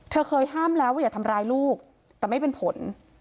เธอเคยห้ามแล้วว่าอย่าทำร้ายลูกแต่ไม่เป็นผล